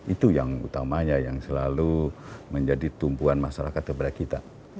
itu yang utamanya yang selalu menjadi tumpuan masyarakat kepada kita